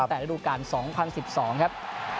ตั้งแต่รูปการณ์๒๐๑๒ครับ